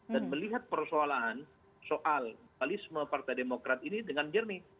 dan melihat persoalan soal dualisme partai demokrat ini dengan jernih